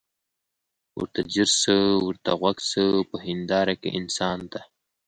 ورته ځیر سه ورته غوږ سه په هینداره کي انسان ته